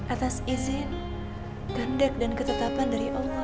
atas izin kehendak dan ketetapan dari allah